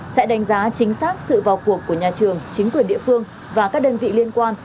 sẽ đánh giá chính xác sự vào cuộc của nhà trường chính quyền địa phương và các đơn vị liên quan